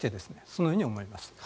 そのように思います。